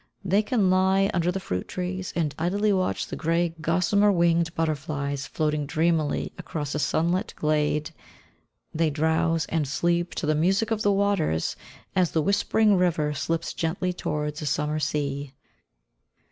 They can lie under the fruit trees, and idly watch the grey, gossamer winged butterflies floating dreamily across a sunlit glade; they drowse and sleep to the music of the waters, as the whispering river slips gently towards a summer sea.